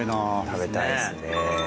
食べたいですね。